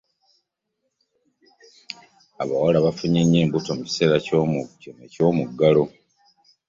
Abawala bafunye nnyo embuto mu kiseera kino eky'omuggalo